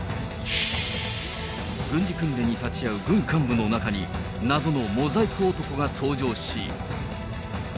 軍事訓練に立ち会う軍幹部の中に、謎のモザイク男が登場し。